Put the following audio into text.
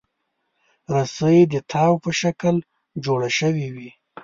رسۍ د تاو په شکل جوړه شوې وي.